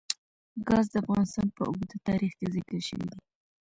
ګاز د افغانستان په اوږده تاریخ کې ذکر شوی دی.